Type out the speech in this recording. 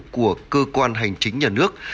của cơ quan hành chính nhà nước